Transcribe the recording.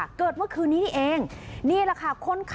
เกิดเตอร์ไซด์เมื่อคืนนี้นี่แห้ง